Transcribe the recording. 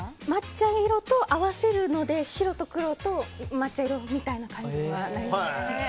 抹茶色と合わせるので白と黒と抹茶色みたいな感じにはなりますね。